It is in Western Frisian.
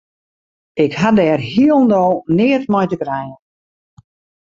Ik ha dêr hielendal neat mei te krijen.